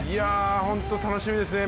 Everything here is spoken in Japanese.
本当楽しみですね。